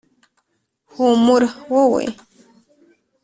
humura, wowe?